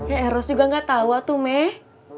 eh eros juga gak tau atuh meh